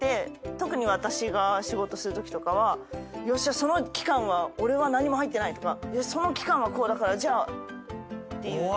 特に私が仕事するときとかはその期間は俺は何も入ってないとかその期間はこうだからじゃあっていう。